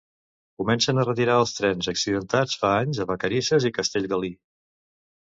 Comencen a retirar els trens accidentats fa anys a Vacarisses i Castellgalí.